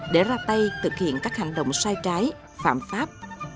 để ra tay thực hiện các hành động sai trái phạm pháp